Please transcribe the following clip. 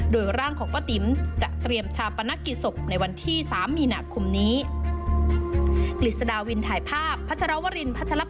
โดยร่างของป้าติ๋มจะเตรียมชาปนกิจศพในวันที่๓มีนาคมนี้